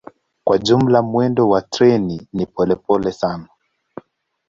Kwa jumla mwendo wa treni ni polepole sana.